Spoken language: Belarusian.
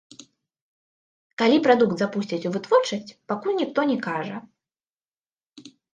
Калі прадукт запусцяць у вытворчасць, пакуль ніхто не кажа.